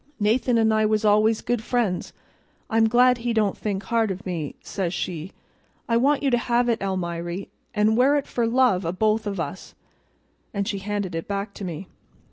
'Nathan an' I was always good friends; I'm glad he don't think hard of me,' says she. 'I want you to have it, Almiry, an' wear it for love o' both o' us,' and she handed it back to me.